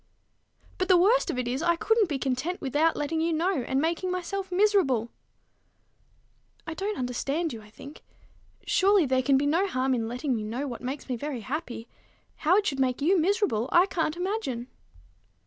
"But the worst of it is, I couldn't be content without letting you know, and making myself miserable." "I don't understand you, I think. Surely there can be no harm in letting me know what makes me very happy! How it should make you miserable, I can't imagine."